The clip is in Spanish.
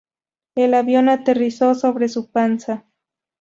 El avión aterrizó sobre su panza.